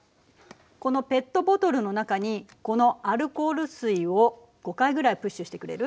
このペットボトルの中にこのアルコール水を５回ぐらいプッシュしてくれる？